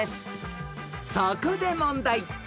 ［そこで問題］